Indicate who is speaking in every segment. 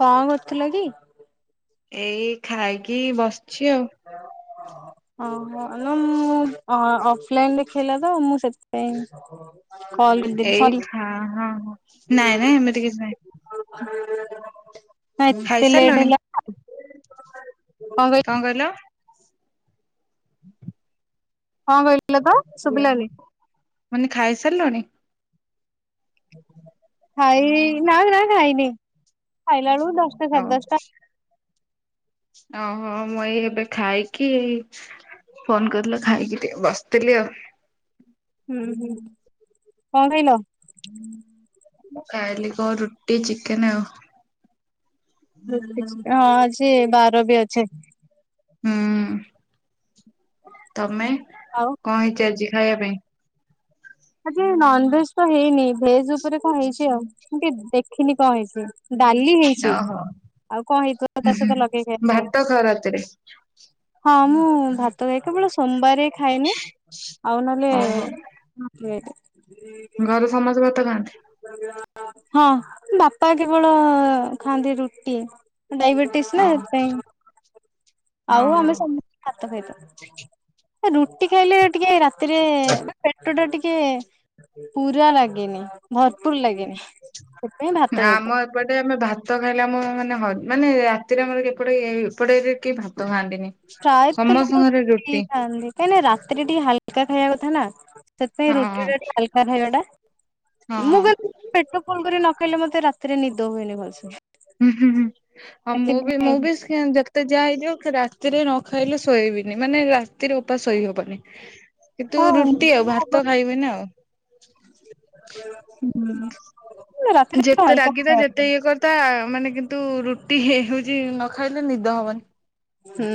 Speaker 1: କଣ କରୁଥିଲ କି?
Speaker 2: ଏଇ ଖାଇକି ବସିଛି ଆଉ।
Speaker 1: ଓହୋ ନା ମୁଁ ଅ ଅଫଲାଇନ ଦେଖେଇଲା ତ ମୁଁ ସେଥିପାଇଁ। କଲ କରିଦେଲି
Speaker 2: ଏଇ
Speaker 1: ସରି
Speaker 2: ହଁ ହଁ ନାଇଁ ନାଇଁ ଏମିତି କିଛି ନାଇଁ।
Speaker 1: ନା ଏତେ ଲେଟ୍
Speaker 2: ଖାଇସାରିଲଣି
Speaker 1: ହେଲା ନା କଣ କହିଲେ?
Speaker 2: କଣ କହିଲ?
Speaker 1: କଣ କହିଲ ତ?
Speaker 2: ହେଲା
Speaker 1: ଶୁଭିଲାନି
Speaker 2: ମାନେ ଖାଇସାରିଲାଣି?
Speaker 1: ଖାଇ ନା ନା ଖାଇନି ଖାଇଲାଳୁ ଦଶଟା
Speaker 2: ଓ
Speaker 1: ସାଢେ ଦଶଟା।
Speaker 2: ଓହୋ ମୁଁ ଏଇ ଏବେ ଖାଇକି ଏଇ ଫୋନ୍ କଲ ଖାଇକି ଟିକେ ବସିଥିଲି ଆଉ।
Speaker 1: ହୁଁ ହୁଁ କଣ ଖାଇଲ?
Speaker 2: ମୁଁ ଖାଇଲି କଣ ରୁଟି ଚିକେନ ଆଉ।
Speaker 1: ହଁ ଆଜି ବାର ବି ଅଛେ।
Speaker 2: ହୁଁ ତମେ?
Speaker 1: ଆଉ
Speaker 2: କଣ ହେଇଛି ଆଜି ଖାଇବା ପାଇଁ?
Speaker 1: ଆଜି ନନଭେଜ ତ ହେଇନି ଭେଜ ଉପରେ କଣ ହେଇଛି ଆଉ ମୁ ଟିକେ ଦେଖିନି କଣ ହେଇଛି। ଡାଲି ହେଇଛି।
Speaker 2: ଓହୋ
Speaker 1: ଆଉ କଣ ହେଇଥିବ ତା
Speaker 2: ହୁଁ ହୁଁ।
Speaker 1: ସହିତ ଲଗେଇ ଖାଇବାକୁ?
Speaker 2: ଭାତ ଖାଅ ରାତିରେ
Speaker 1: ହଁ ମୁଁ ଭାତ ଖାଏ କେବଳ ସୋମବାରେ ଖାଏନି ଆଉ ନହେଲେ
Speaker 2: ଓହୋ
Speaker 1: ପ୍ଲେଟ୍
Speaker 2: ଘରେ ସମସ୍ତେ ଭାତ ଖାଆନ୍ତି?
Speaker 1: ହଁ ବାପା କେବଳ ଖାଆନ୍ତି ରୁଟି ଡାଇବେଟି ଟିସ୍ ନା
Speaker 2: ଓହୋ
Speaker 1: ହେତିପାଇଁ। ଆଉ
Speaker 2: ଓହୋ
Speaker 1: ଆମେ ସମସ୍ତେ ଭାତ ଖାଇଦେଉ ଏ ରୁଟି ଖାଇଲେ ଟିକେ ରା ସେଥିରେ ପେଟ ଟା ଟିକେ ପୁରା ଲାଗେନି ଭରପୁର ଲାଗେନି। ସେଥିପାଇଁ ଭାତ
Speaker 2: ନା
Speaker 1: ଖାଇଥାଉ
Speaker 2: ମ ଏପଟେ ଆମେ ଭାତ ଖାଇଲେ ଆମ ମାନେ ହ ମାନେ ରାତିରେ ଆମର ଏପଟେ ଏପଟେ ଏରିଆ କେହି ଭାତ ଖାଆନ୍ତିନି। ସମସ୍ତଙ୍କ ଘରେ ରୁଟି।
Speaker 1: କାହିଁ ନା ରାତିରେ ଟିକେ ହାଲକା ଖାଇବା କଥା ନା ସେଥିପାଇଁ
Speaker 2: ହଁ ହଁ।
Speaker 1: ରୁଟିଟା ଟିକେ ହାଲକା ଖାଇବାଟା। ମୁଁ କିନ୍ତୁ ପେଟ ଫୁଲ କରି ନ ଖାଇଲେ ମତେ ରାତିରେ ନିଦ ହୁଏନି ଭଲସେ।
Speaker 2: ମୁଁ ବି
Speaker 1: ସେଥିପାଇଁ
Speaker 2: ମୁଁ ବି ଯେତେ ଯାହା ହେଇଯାଉ ରାତିରେ ନ ଖାଇଲେ ଶୋଇବିନି ମାନେ ରାତିରେ ଓପାଷ ଶୋଇହବନି। କିନ୍ତୁ
Speaker 1: ହଁ
Speaker 2: ରୁଟି ଆଉ
Speaker 1: ହବ।
Speaker 2: ଭାତ ଖାଇବିନି ଆଉ।
Speaker 1: ହୁଁ ରାତିରେ ତ
Speaker 2: ଯେତେ
Speaker 1: ହାଲକା
Speaker 2: ରାଗି ଥା
Speaker 1: ଖାଇବା।
Speaker 2: ଯେତେ ଇଏ କରି ତା ମାନେ କିନ୍ତୁ ରୁଟି ହଉଛି ନ ଖାଇଲେ ନିଦ ହବନି।
Speaker 1: ହୁଁ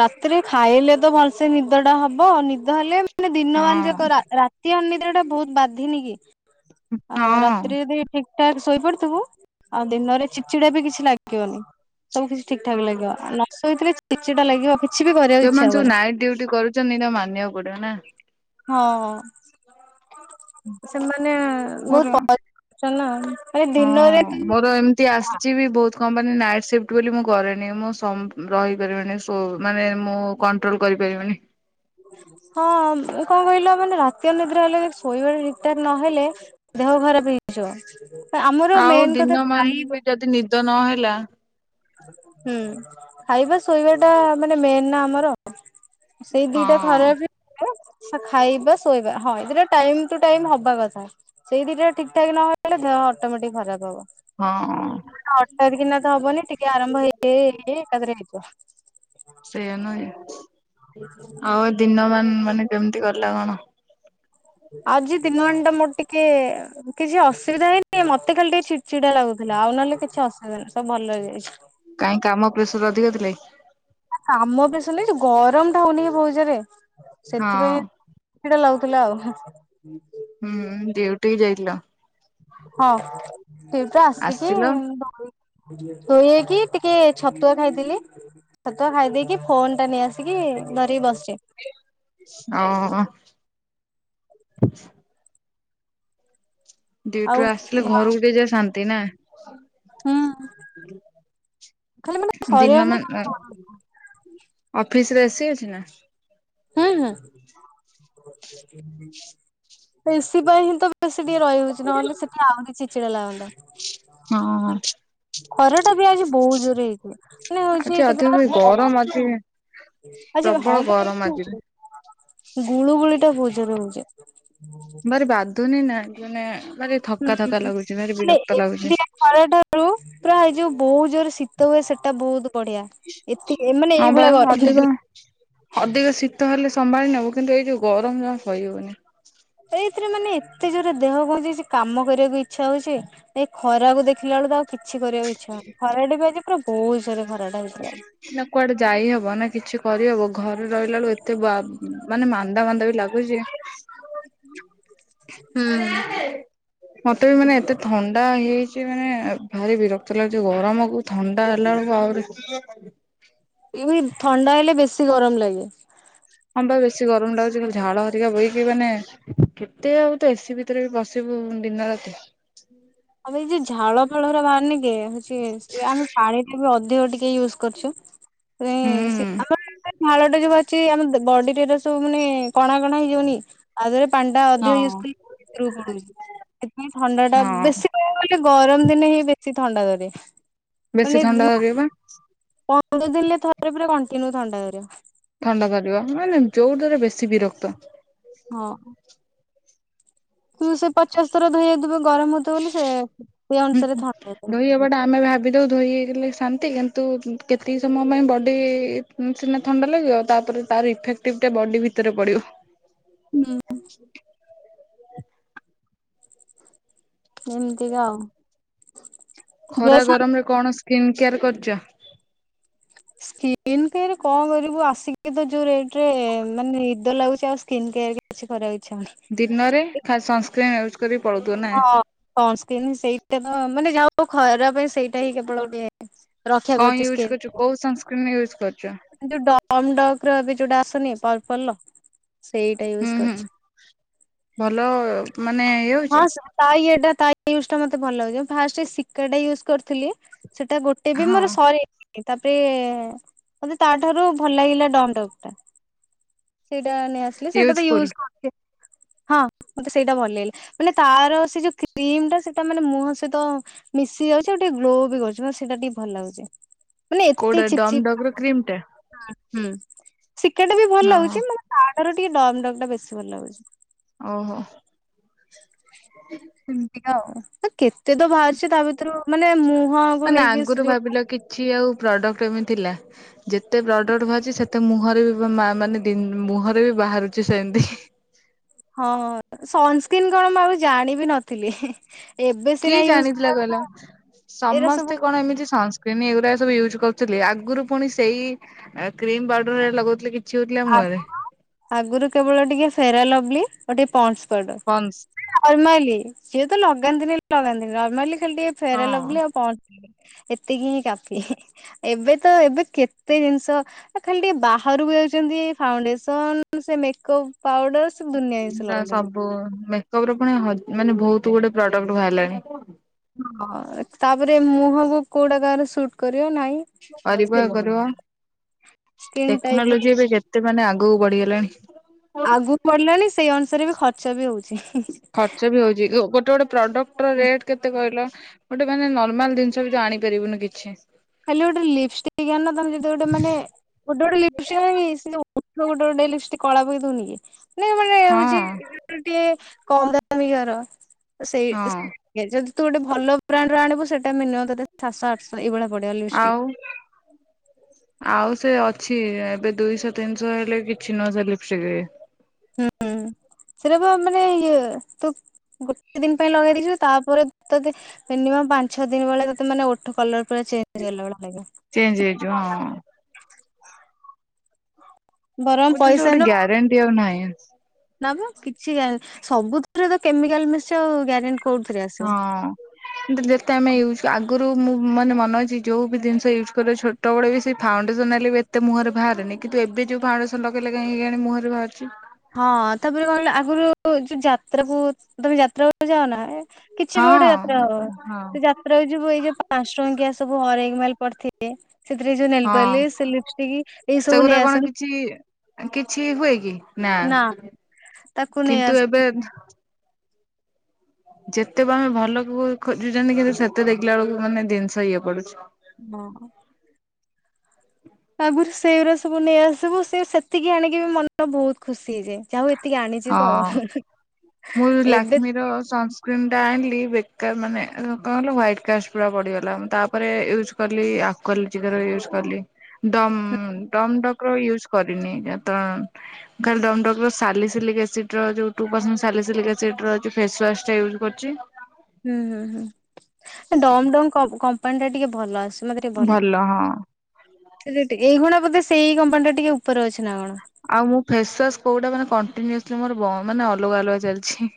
Speaker 1: ରାତିରେ ଖାଇଲେ ତ ଭଲସେ ନିଦଟା ହବ ନିଦ ହେଲେ ମାନେ ଦିନମାନ ଯାକ
Speaker 2: ହଁ
Speaker 1: ରା ରା ରାତି ଅନିଦ୍ରାଟା ବହୁତ ବାଧିନି କି ଆଉ
Speaker 2: ହଁ।
Speaker 1: ରାତିରେ ଯଦି ଠିକ୍ ତା ଶୋଇପଡିଥିବୁ ଆଉ ଦିନରେ ଚିଡିଚିଡା ବି କିଛି ଲାଗିବନି ସବୁ କିଛି ଠିକ୍ ଠାକ ଲାଗିବ
Speaker 2: ହଁ।
Speaker 1: ଆଉ ନ ଶୋଇଥିଲେ ଚିଡିଚିଡା ଲାଗିବ। କିଛି ବି କରିବାକୁ ଇଚ୍ଛା
Speaker 2: ଯୋଉମାନେ ସବୁ
Speaker 1: ହବନି।
Speaker 2: ନାଇଟ୍ ଡ୍ୟୁଟି କରୁଛନ୍ତି ତାଙ୍କୁ ମାନିବାକୁ ପଡିବ ନା।
Speaker 1: ହଁ ସେମାନେ
Speaker 2: ମୋର
Speaker 1: ବହୁତ ଚଲାଅ।
Speaker 2: ହଁ ମୋର ଏମିତି ଆସିଛି ବି ବହୁତ। କପାଇଁ ନାଇଟ୍ ସିଫ୍ଟ ବୋଲି ମୁଁ କରେନି ମୁଁ ସ ରହିପାରିବିନି ଶୋ ମାନେ ମୁଁ କଣ୍ଟ୍ରୋଲ କରିପାରିବନି
Speaker 1: ହଁ କଣ କହିଲ ମାନେ ରାତି ଅନଦରେ ହେଲେ ଶୋଇବା ରିତାର ନହେଲେ ଦେହ ଖରାପ ହେଇଯିବ ଆମର ମେନ କଥା ଖାଇ
Speaker 2: ତ ନହଲା
Speaker 1: ହୁଁ ଖାଇବା ଶୋଇବା ଟା ମାନେ ମେନ୍ ନା ଆମର ସେଇ
Speaker 2: ହଁ
Speaker 1: ଦିଟା ଖରାପ ହ ଖାଇବା ଶୋଇବା ହଁ ଏଥିଟ ଟାଇମ ଟୁ ଟାଇମ ହବା କଥା ସେଇ ଦିଇଟା ଠିକ ଠାକ ନହଲେ ଦେହ ଅଟୋମେଟିକ ଖରାପ ହବ।
Speaker 2: ହଁ
Speaker 1: ଅଠାାର କିନା ତ ହବନି ଟିକେ ଆରମ୍ଭ ହେଇଯ ଏକାରେ ହେଇଯିବ।
Speaker 2: ସେଇଆା ନୁହଁ ଆଉ ଦିନ ମ ମାନେ କେମିତି କଲା କଣ?
Speaker 1: ଆଜି ଦିନ ମାନ ଟା ମୋର ଟିକେ କିଛି ଅସୁବିଧା ହେଇନି ମତେ ଖାଲି ଟିକେ ଛିଟ ଛିଡା ଲାଗୁଥିଲା ଆଉ ନହେଲେ କିଛି ଅସୁବିଧା ନାହିଁ ସବୁ ଭଲ ହେଇଯାଇଛି।
Speaker 2: କାଇ କାମ ପ୍ରେସର ଅଧିକ ଥିଲା କି?
Speaker 1: କାମ ପ୍ରେସର ନାଇଁ ଯୋଉଁ ଗରମ ଟା ହଉନିକି ବହୁତ ଜୋର
Speaker 2: ହଁ
Speaker 1: ସେଥିପାଇଁ ଚିଡଚିଡା ଲାଗୁଥିଲା ଆଉ।
Speaker 2: ହୁଁ ଡ୍ୟୁଟି ଯାଇଥିଲ।
Speaker 1: ହଁ ଡିଉଟି ଆସିକି
Speaker 2: ଆସିଲ
Speaker 1: ଧୋଇ ହେଇକି ଟିକେ ଛତୁଆ ଖାଇଥିଲି। ଛତୁଆ ଖାଇଦେଇକି ଫୋନ ଟା ନେଇ ଆସିକି ଧରିକି ବସିଚି।
Speaker 2: ଆଉ ଡିଉଟି ରୁୁ
Speaker 1: ଆଉ
Speaker 2: ଆସିଲେ ଘରକୁ ଯାଏଁ ଶାନ୍ତି ନା
Speaker 1: ହୁଁ ଖାଲି ମାନେ
Speaker 2: ଦିନମାନ
Speaker 1: ସରିବାର
Speaker 2: ଅଫିସ ରେ ଏସି ଅଛି ନା?
Speaker 1: ହୁଁ ହୁଁ ଏସି ପାଇଁ ତ ସେ ଟିକେ ରହିହଉଛି ନହେଲେ ସେଠି ଆହୁରି ଚିଡ଼ିଚିଡା ଲାଗନ୍ତା।
Speaker 2: ହଁ
Speaker 1: ଖରା ଟା ବି ଆଜି ବହୁତ ଜୋରରେ ହେଇଥିଲା ମାନେ
Speaker 2: ଆଜି
Speaker 1: ହଉଛି କେ
Speaker 2: ଅଧିକ ବି ଗରମ ଅଛି ପ୍ରବଳ
Speaker 1: ହଁ
Speaker 2: ଗରମ ଆଜିରେ।
Speaker 1: ଗୁଳୁଗୁଳି ଟା ବହୁତ ଯୋରେ ହଉଛି।
Speaker 2: ଭାରି ବାଧୁନି ନା ନମାନେ ଭାରି
Speaker 1: ହୁଁ
Speaker 2: ଥକା ଥକା ଲାଗୁଛି ଭାରି ବିରକ୍ତ ଲାଗୁଛି।
Speaker 1: ଉ ପୁରା ଏଇ ଯୋଉ ବହୁ ଜୋରେ ଶୀତ ହୁଏ ସେଟା ବହୁତୁ ବଢିଆ ଏତିକି ଏମାନେ
Speaker 2: ହଁ ବା
Speaker 1: ଏଇଭଳିଆ ଗର [unintelligible]
Speaker 2: ତାହେଲେ ସମ୍ଭାଳି ନବୁ କିନ୍ତୁ ଏଇ ଯଉ ଗରମ ଜମା ସହି ହଉନି।
Speaker 1: ଏଇଥିରେ ମାନେ ଏତେ ଜୋରରେ ଦେହ କଣ ହେଇଯାଉଛି କାମ କରିବାକୁ ଇଚ୍ଛା ହଉଛି। ଏ ଖରାକୁ ଦେଖିଲା ବେଳୁ ତ ଆଉ କିଛି କରିବାକୁ ଇଚ୍ଛା ହଉନି ଖରା ଟା ବି ଆଜି ପୁରା ବହୁତ ଜୋରରେ ଖରାଟା ହ
Speaker 2: ହ ନା କୁଆଡେ ଯାଇହବ ନା କିଛି କରିହବ ଘରେ ରହିଲା ବେଳୁ ଏତେ ବା ମାନେ ମାନ୍ଦା ମାନ୍ଦା ବି ଲା ଗୁଚି।
Speaker 1: ହୁଁ।
Speaker 2: ମତେ ବି ମାନେ ଏତେ ଥଣ୍ଡା ହେଇଯାଇଛି ମାନେ ଭାରି ବିରକ୍ତ ଲାଗୁଛି ଗରମ କୁ। ଥଣ୍ଡା ହେଲା ବେଳକୁ ଆହୁରି।
Speaker 1: ଏଇ ଥଣ୍ଡା ହେଲେ ବେଶୀ ଗରମ ଲାଗେ।
Speaker 2: ହଁ ପା ବେଶୀ ଗରମ ଲାଗୁଚି ଖାଲି ଝାଳ ହରିକା ବୋହିକି ମାନେ। କେତେ ଆଉ ତ ଏ ସିି ଭିତରେ ବି ବସିବୁ ଦିନ ରାତି? ହୁଁ
Speaker 1: ଆଉ ଏଇ ଯଉ ଝାଳ ଫାଳ ଗୁରା ବାହାରୁନି କି ହଉଛି ସେ ଆମେ ପାଣି। ଏବେ ଅଧିକ ଟିକେ ୟୁଜ୍ କରୁଛୁ
Speaker 2: ହୁଁ
Speaker 1: ସେଥିପାଇଁ ସି। ଝାଳ ଟା ଯୋଉ ଅଛି ଆମ ବେ ବଡି ଟା ରେ ସବୁ ମାନେ କଣା କଣା ହେଇଯାଉନି ଆଉ ଦେ ପାଣି ଟା ଅଧିକ ୟୁଜ
Speaker 2: ହଁ।
Speaker 1: କଲେ ଭିତରକୁ ପଳଉଛି ସେଥିପାଇଁ ଥଣ୍ଡା ଟା
Speaker 2: ହଁ
Speaker 1: ବେଶୀ। ମୁଁ କହିଲି ଗରମ ଦିନେ ହିଁ ବେଶୀ ଥଣ୍ଡା ଧରେ।
Speaker 2: ବେଶୀ
Speaker 1: ମାନେ
Speaker 2: ଥଣ୍ଡା ଧରିଅ ପା।
Speaker 1: ପନ୍ଦର ଦିନ ଲେ ଥରେ ପୁରା କଣ୍ଟିନିଉ ଥଣ୍ଡା ଧରିବ।
Speaker 2: ଥଣ୍ଡା ଧରିବ ମାନେ ଯୋଉଥିରେ ବେଶୀ ବିରକ୍ତ।
Speaker 1: ହଁ। ତୁ ସେ ପଚାଶ ଥର ଧୋଇ ହଉଥିବେ ଗରମ ହଉଥିବ ବୋଲି ସେ ସେ ଅନୁସାରେ ଥଣ୍ଡା [unintelligible]
Speaker 2: ଏବେ ଦଉ ଧୋଇ ହେଇଗଲେ ଶାନ୍ତି କିନ୍ତୁ ଉଁ କେତିକି ସମୟ ପାଇଁ ବଡ଼ି ଉଁ ସିନା ଥଣ୍ଡା ଲାଗିବ ତାପରେ। ତାର ଇଫେକ୍ଟିଭ ଟା ବଡି ଭିତରେ ପଡିବ।
Speaker 1: ହୁଁ। ଏମିତିକା ଆଉ।
Speaker 2: ଖରା
Speaker 1: ଡ୍ରେସ୍
Speaker 2: ଗରମ ରେ କଣ ସ୍କିନ୍ କେୟାର କରିଛ?
Speaker 1: ସ୍କିନ୍ କେ କଣ କରିବୁ ଆସିକି ତ ଯୋଉ ରେଟ ରେ ମାନେ ନିଦ ଲାଗୁଛି ଆଉ ସ୍କିନ୍ କେୟାର କିଛି କରିବାକୁ ଇଚ୍ଛା ହଉନି।
Speaker 2: ଦିନରେ ଖା ସନସ୍କ୍ରିନ୍ ୟୁଜ୍ କରି ପଳଉଥିବୁ ନା?
Speaker 1: ସନ ସ୍କ୍ରିନ୍ ସେଇଟା ତ ମାନେ ଯାହା ହଉ ଖରା ପାଇଁ ସେଇଟା ହିଁ କେବଳ ଗୋଟେ ରକ୍ଷା
Speaker 2: କଣ
Speaker 1: କରୁଛି
Speaker 2: ୟୁଜ୍
Speaker 1: ସ୍କିନ୍
Speaker 2: କରୁଛୁ କୋଉ ସନସ୍କ୍ରିନ ୟୁଜ୍ କରୁଛୁ?
Speaker 1: ଯୋଉ ଡମ ଡକ ର ଏବେ ଯୋଉଟା ଆଶୁନି ପର୍ପଲ ର ସେଇଟା
Speaker 2: ହୁଁ
Speaker 1: ୟୁଜ
Speaker 2: ହୁଁ
Speaker 1: କରୁଛି।
Speaker 2: ଭଲ ମାନେ ୟୁ
Speaker 1: ହଁ ସ ତା ଇଏ ଟା ତା ୟୁଜ ଟା ମତେ ଭଲ ଲାଗେ ଫାର୍ଷ୍ଟେ ସିକା ଟା ୟୁଜ କରିଥିଲି ସେଇଟା ଗୋ ଟେ
Speaker 2: ହଁ
Speaker 1: ଦିନରେ ସରି ନି ତାପେ ମୋତେ ତା ଠାରୁ ଭଲ ଲାଗିଲା ଡମ ଡାକ ଟା। ସେଇଟା ନେଇ ଆସିଲେ ସେଇଟା ତ
Speaker 2: ୟୁଜଫୁଲ
Speaker 1: ୟୁଜ କରିଦିଏ ହଁ ମତେ ସେଇଟା ଭଲ ଲାଗିଲା। ମାନେ ତାର ସେ ଯୋଉ କ୍ରିମ ଟା ସେଇଟା ମାନେ ମୁହ ସହିତ। ମିଶି ଯାଉଛି ଆଉ ଟିକେ ଗ୍ଲୋ ବି କରୁଛି ମ ସେଇଟା ଟିକେ ଭଲ ଲାଗୁଛି। ମାନେ ଏତେ
Speaker 2: କୋଉଟା
Speaker 1: ଚିପ୍
Speaker 2: ଡମ
Speaker 1: ଚିପ୍
Speaker 2: ଡକ କ୍ରିମ ଟା?
Speaker 1: ହୁଁ ଶିକା ଟା ବି ଭଲ
Speaker 2: ଓହୋ
Speaker 1: ଲାଗୁଛି ମାନେ ତାଠାରୁ ଟିକେ ଡମ ଡକ ଟା ବେଶୀ ଭଲ ଲାଗୁଛି।
Speaker 2: ଓହୋ।
Speaker 1: ହୁଁ। ଦିକା ଆଉ କେତେ ତ ବାହାରିଛି ତା ଭିତରୁ ମାନେ ମୁହଁକୁ ନେଇକି ସେ ଜୋ
Speaker 2: [unintelligible] କି କିଛି ଆଉ ପ୍ରଡ଼କ୍ଟ ଏମି ଥିଲା। ଯେତେ ପ୍ରଡକ୍ଟ ବାହାରାରୁଛି ସେତେ ମୁହଁରେ ବି ମାନେ ମୁହଁରେ ବି ବାହାରୁଛି ସେମିତି।
Speaker 1: ହଁ ସନସ୍କ୍ରିନ କଣ ମୁଁ ଆଗେ ଜାଣି ବି ନଥିଲି। ଏବେ ସିନା
Speaker 2: କିଏ
Speaker 1: ୟୁଜ୍
Speaker 2: ଜାଣିଥିଲା କହିଲ
Speaker 1: କଲାବେଳକୁ ଏଇରା ସବୁ
Speaker 2: ସମସ୍ତେ। କଣ ଏମିତି ସନସ୍କ୍ରିନ୍ ଏଗୁଡା ସବୁ ୟୁଜ କରୁଥିଲି ଆଗରୁ ପୁଣି ସେଇ। ଏ କ୍ରିମ ପାଉଡର ଏ ରା ଲଗଉ ଥିଲେ କିଛି ହଉ ଥିଲା ମୁହଁ ରେ।
Speaker 1: ଆଗରୁ ଆଗରୁ କେବଳ ଟିକେ ଫେରା ଲଭଲି ଓ ଟିକେ ପନସ ପାଉଡର।
Speaker 2: ପନଂସ।
Speaker 1: ନରମାଲି ସିଏ ତ ଲଗାନ୍ତିନି ଲଗାନ୍ତିନି ନରମାଲି ଖାଲି ଟିକେ ଫେରାଲ
Speaker 2: ହଁ।
Speaker 1: ଲବଲି ଆଉ ପନସ ଏତିକି ହିଁ କାଫି ‌ହି। ଏବେ ତ ଏବେ କେତେ ଜିନିଷ ଏ ଖାଲି ଟିକେ ବାହାରକୁ ଯାଉଛୁ। ଯେମିତି ଏ ଫାଉଣ୍ଡେସନ ସେ ମେକ୍ ପାଉଡର। ସେ ଦୁନିଆ ଜିନିଷ
Speaker 2: ତା
Speaker 1: ଲଗାଉଛନ୍ତି।
Speaker 2: ସବୁ ମେକପ ର ପୁଣି ହ ମାନେ ବହୁତ ଗୁଡେ ପ୍ରଡକ୍ଟ ବାହାରିଲାଣି।
Speaker 1: ହଁ ତାପରେ ମୁହଁ ‌ ଯୋଉ ପୋଡ଼େ କହାର ସୁଟ କରିବ ନାଇଁ।
Speaker 2: କରିବ ଇଏ କରିବ
Speaker 1: ସ୍କିନ୍ ଟାଇପ
Speaker 2: ଟେକ୍ନୋଲୋଜି ଏବେ କେତେ ମାନେ ଆଗକୁ ବଢିଗଲାଣି।
Speaker 1: ଆଗକୁ ବଢିଲାଣି ସେଇ ଅନୁସାରେ ବି ଖର୍ଚ୍ଚ ବି ହଉଛି ହିଁ ହିଁ।
Speaker 2: ଖର୍ଚ୍ଚ ବି ହଉଛି ଗୋଟେ ଗୋଟେ ପ୍ରଡକ୍ଟ ର ରେଟ କେତେ କହିଲ। ଗୋଟେ ମାନେ ନର୍ମାଲ ଜିନିଷ ବି ତ ଆଣିପାରିବୁନି କିଛି।
Speaker 1: ଖାଲି ଗୋଟେ ଲିପଷ୍ଟିକ୍ ଆଣିନା ତମେ ଯମେତି ଗୋଟେ ମାନେ। ଗୋଟେ ଗୋଟେ ଲିପଷ୍ଟିକ କଣ କି ସେ ଯୋଉ ଓଠ ଗୋଟେ ଗୋଟେ ଲିପଷ୍ଟିକ କଳା ପକେଇ ଦଉନି କି। ନାଇଁ ମାନେ
Speaker 2: ହଁ
Speaker 1: ହଉଛି ଯୋଉ ଟିକେ କମ ଦାମିକାର ତ ସେଇ।
Speaker 2: ହଁ
Speaker 1: ଆ ଯଦି ତୁ ଗୋଟେ ଭଲ ବ୍ରାଣ୍ଡ ର ଆଣିବୁ ସେଟା ମିନିମମ ତତେ ସାତଶ ଆଠଶ ଏଇଭଳିଆ। ପଡିବ ଲିପଷ୍ଟିକ।
Speaker 2: ଆଉ। ଆଉ ସେ ଅଛି ଏବେ ଦୁଇଶ ତିନିଶ ହେଲେ କିଛି ନୁହଁ ସେ ଲିପଷ୍ଟିକ।
Speaker 1: ହୁଁ
Speaker 2: [inaudible]
Speaker 1: ସେଟା ବା ମାନେ ଇଏ ତୁ ଗୋଟେ ଦିନ ପାଇଁ ଲଗେଇ ଦେଇଥିବୁ ତାପରେ ତତେ ମିନିମମ୍ ପାଞ୍ଚ ଛଅ ଦିନ ଭଳିଆ ତତେ ମାନେ ଓଠ କଲର ପୁରା ଚେଞ୍ଜ। ହେଲା ଭଳିଆ ଲାଗିବ।
Speaker 2: ଚେଞ୍ଜ ହେଇଯିବ ହଁ
Speaker 1: ବରଂ ପଇସା ନଉ।
Speaker 2: ସେ ଆଉ ନାହିଁ ଆନସ
Speaker 1: ନା ବା କିଛି ସବୁଥିରେ ତ କେମିକାଲ ମିଶୁଛି ଆଉ ଗ୍ୟାରେଣ୍ଟି କଣ।
Speaker 2: ହଁ। କିନ୍ତୁ ଯେତେ ଆମେ ୟୁଜ ଆଗରୁ ମୁଁ ମାନେ ମନ ଅଛି ଯୋଉ ବି ଜିନିଷ ୟୁଜ୍ କରେ ଛୋଟ। ଛୋଟବେଳେ ବି ସେଇ ଫାଉଣ୍ଡସନ ମାଇଲେ ଏତେ ମୁହଁରେ ଭାରେନି କିନ୍ତୁ ଏବେ ଯଉ ଫାଉଣ୍ଡସନ ଲଗେଇଲେ କାହିଁକି କେଜାଣି ମୁଁହରେ ବାହାରୁଛି।
Speaker 1: ହଁ ତାପରେ କଣ କହିଲ ଆଗରୁ ଯୋଉ ଯାତ୍ରାକୁ ତମେ ଯାତ୍ରା କୁ ଯାଅ ନା। କିଛି ବି
Speaker 2: ହଁ
Speaker 1: ଗୋଟେ ଯାତ୍ରା ହଉ
Speaker 2: ହଁ
Speaker 1: ସେ ଯା ତ୍ରା କୁ ଏଇଟା ପାଞ୍ଚ ଟଙ୍କିଆ ସବୁ ହରେକ୍ ମାଲ ପଡିିଥିବେ। ସେଥିରେ ଯୋଉ
Speaker 2: ହଁ।
Speaker 1: ନେଲପାଲିସ ସେ ଲିପଷ୍ଟିକ୍ ଏଇ ସବୁ
Speaker 2: ସେଗୁରା
Speaker 1: ନେଇ
Speaker 2: କଣ
Speaker 1: ଆସନ୍ତି।
Speaker 2: କିଛି କିଛି ହୁଏ କି ନା
Speaker 1: ତାକୁ ନେଇ
Speaker 2: କିନ୍ତୁ ଏବେ।
Speaker 1: ଆସିବୁ
Speaker 2: ଯେତେ ବି ଆମେ ଭଲକୁ ଖୋଜୁଛନ୍ତି କିନ୍ତୁ ସେତେ ଦେଖିଲା ବେଳକୁ ମାନେ ଜିନିଷ ଇଏ ପଡୁଛି।
Speaker 1: ଭଁ। ଆଗୁରୁ ସେଇଉରା ସବୁ ନେଇଆସିବୁ ସେ ସେତିକି ଆଣିକି ବି ମନ ବହୁତ ଖୁସି ହେଇଯାଏ। ଯାହଉ ଏତିକି ଆଣିଛି
Speaker 2: ହଁ।
Speaker 1: ତ।
Speaker 2: ମୁଁ
Speaker 1: ଏବେ
Speaker 2: ଲାକମୀର ସନସ କ୍ରିମଟା ଆଣିଲି ବେକାର ମାନେ କଣ କହିଲ ହ୍ୱଇଟକାଷ୍ଟ ପୁରା ବଢିଗଲା ମୁଁ ତାପରେ ୟୁଜ କଲି ଆକ୍ୱାଲୋଜିକା ର ୟୁଜ କଲି ଡମ୍
Speaker 1: ହୁଁ
Speaker 2: ଡମ ଡକର ୟୁଜ କରିନି ଏ ତ ମୁଁ ଖାଲି ଡମ ଡକର ସାଲି ସିଲିକ ଏସିଡର ଯୋଉ ଟୁ ପରସେ ସାଲିସିଲିକ ଏସିଡର ଯୋଉ ଫେସୱାସ୍ ଟା ୟୁଜ୍ କରୁଛି।
Speaker 1: ହୁଁ ହୁଁ ହୁଁ ଏ ଡମ ଡମ୍ କ କମ୍ପାନୀ ଟା ଟିକେ ଭଲ ଆସେ। ମତେ ଟିକେ
Speaker 2: ଭଲ ହଁ।
Speaker 1: ଭଲ୍ ଏଇ ଖୁଣା ବୋଧେ ସେଇ କମ୍ପାନୀ ଟା ଟିକେ ଉପରେ ଅଛି ନା କଣ।
Speaker 2: ଆଉ ମୁଁ ଫେସୱାସ୍ କୋଉଟା ମାନେ କଣ୍ଟିନ୍ୟୁସଲି ମୋର ବ ମାନେ ଅଲଗା ଅଲଗା ଚାଲିଛି।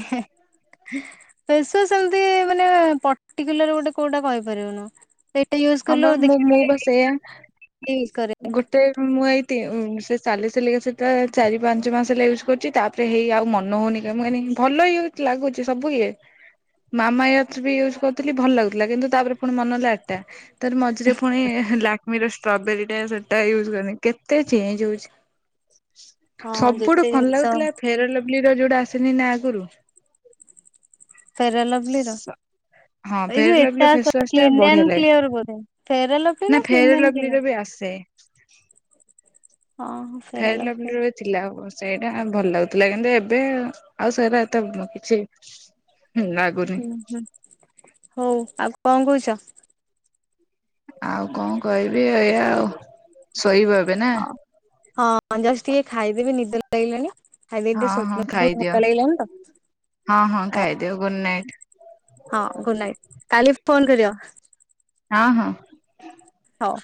Speaker 1: ଉହେ। ହେ ଫେସ୍ ୱାସ୍ ସେମିତି ମାନେ ପର୍ଟିକୁଲାର ଗୋଟେ କୋଉଟା କହିପାରିବୁନୁ। ସେଇଟା ୟୁଜ୍
Speaker 2: ହଁ ବା
Speaker 1: କଲୁ
Speaker 2: ମୁଁ ମୁଁ
Speaker 1: ଦେଖିକି ୟୁଜ କରେ।
Speaker 2: ତେ ମୁଁ ଏଇ ତି ସେ ସାଲିସିଲିକ ଏସିଡ୍ ଟା ଚାରି ପାଞ୍ଚ ମାସ ହେଲା ୟୁଜ୍ କରୁଛି ତା ସେ ହେଇ ଆଉ ମନ ହଉନି କ କହିି ଭଲ ହେଇ ଲାଗୁଛି ସବୁ ଇଏ ମାମା ୟାର୍ଥ ବି ୟୁଜ୍ କରୁଥିଲି ଭଲ୍ ଲାଗୁଥିଲା କିନ୍ତୁ ତାପରେ ପୁଣି ମନ ହେଲା ଏଟା। ତାର ମଝିରେ ପୁଣି ଲାକ୍ମିର ଷ୍ଟ୍ରବେରୀ ଟା ସେଟା ୟୁଜ କନି କେତେ ଚେଞ୍ଜ ହୋଉଚି।
Speaker 1: ହଁ
Speaker 2: ସବୁଠୁ
Speaker 1: ଯେତେ
Speaker 2: ଭଲ
Speaker 1: ଜିନିଷ
Speaker 2: ଲାଗୁଥିଲା ଫେରଲଭଲି ର ଯୋଉଟା ଆସେନି ନା ଆଗରୁ।
Speaker 1: ଫେରା ଲଭ୍ଲିର।
Speaker 2: ହଁ
Speaker 1: ଏଇ
Speaker 2: ଫେୟାର
Speaker 1: ଯୋଉ
Speaker 2: ଲଭଲି
Speaker 1: ଏଟା
Speaker 2: ଫେସୱାସ୍ ଟା
Speaker 1: କ୍ଲିନ୍
Speaker 2: ବଢିଆ
Speaker 1: ଆଣ୍ଡ
Speaker 2: ଲାଗେ
Speaker 1: କିଲ ଅର୍ ବୋଧେ ଫେରଲଭଲି ନା କ୍ଲିନ୍ ଆଣ୍ଡ କ୍ଲିୟର।
Speaker 2: ସେ।
Speaker 1: ହଁ ହଁ।
Speaker 2: ଫେରା ଲଭ୍ଲିର ରେ ଥିଲା ଆଉ ସେଇଟା ଭଲ ଲାଗୁଥିଲା କିନ୍ତୁ ଏବେ ଆଉ ସେରା ଏତେ କିଛି ଲାଗୁନି
Speaker 1: ହୁଁ ହୁଁ ହୋଉ ଆଉ କଁ କୋଉଚ?
Speaker 2: ଆଉ କଣ କହିବି ଏଇଆ ଆଉ ଶୋଇବ ଏବେ ନା
Speaker 1: ହଁ ହଁ ଜଷ୍ଟ୍ ଟିକେ ଖାଇଦେବି ନିଦ ଲାଗିଲାଣି। ଖାଇଦେଇକି ଟିକେ
Speaker 2: ହଁ
Speaker 1: ଶୋଇ
Speaker 2: ହଁ
Speaker 1: ପଡ଼ିବୁ
Speaker 2: ଖାଇଦିଅ
Speaker 1: ଥକା ଲାଗିଲାଣି ତ।
Speaker 2: ହଁ, ହଁ,
Speaker 1: ହଉ।
Speaker 2: ଖାଇଦିଅ ଗୁଡ୍ ନାଇଟ୍।
Speaker 1: ହଁ ଗୁଡ଼୍ ନାଇଟ୍ କାଲି ଫୋନ କରିବ।
Speaker 2: ହଁ ହଁ।
Speaker 1: ହୋଉ।